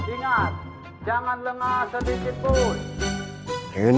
ingat jangan lemah sedikitpun